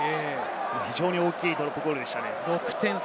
非常に大きいドロップゴールでした。